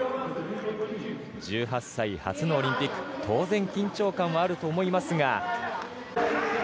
１８歳、初のオリンピック当然緊張感はあると思いますが。